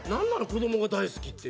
子供が大好きって。